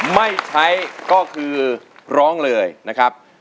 ไม่ใช้ก็คือร้องเลยนะครับ